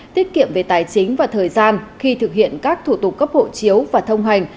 tiết kiệm về tài chính và thời gian khi thực hiện các thủ tục cấp hộ chiếu và thông hành